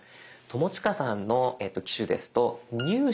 友近さんの機種ですと「入手」。